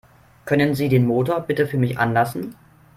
Können Sie den Motor bitte für mich anlassen?